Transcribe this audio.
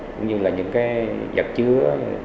cũng như là những vật chứa